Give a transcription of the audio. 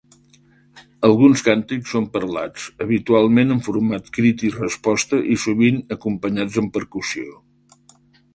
Alguns càntics són parlats, habitualment en format crit i resposta i sovint acompanyats amb percussió.